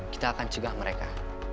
kita akan cegah mereka